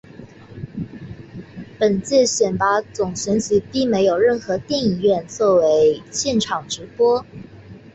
本届选拔总选举并没有任何电影院作现场直播。